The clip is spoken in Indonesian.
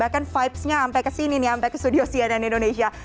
bahkan vibesnya sampai ke sini nih sampai ke studio cnn indonesia